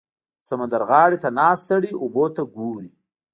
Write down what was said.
• د سمندر غاړې ته ناست سړی اوبو ته ګوري.